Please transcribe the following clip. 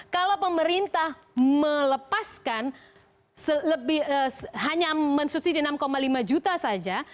kalau pemerintah melepaskan hanya mensubsidi enam lima juta saja